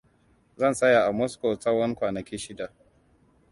Zan tsaya a Moscow tsahon kwanaki shida.